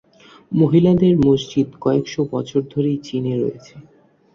মহিলাদের মসজিদ কয়েকশ বছর ধরেই চীনে রয়েছে।